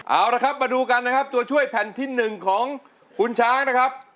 เอาละครับมาดูกันนะครับตัวช่วยแผ่นที่๑ของคุณช้างนะครับ